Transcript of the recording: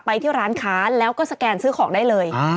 ที่ร้านค้าแล้วก็สแกนซื้อของได้เลย